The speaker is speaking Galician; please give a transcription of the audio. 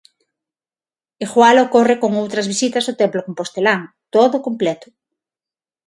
Igual ocorre con outras visitas ao templo compostelán: todo completo.